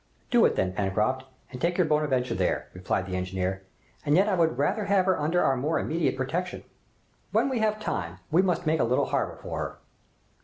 "Do it then, Pencroft, and take your 'Bonadventure' there," replied the engineer, "and yet I would rather have her under our more immediate protection. When we have time, we must make a little harbor for her."